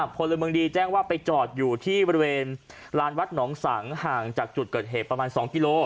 พลเมืองดีแจ้งว่าไปจอดอยู่ที่บริเวณลานวัดหนองสังห่างจากจุดเกิดเหตุประมาณ๒กิโล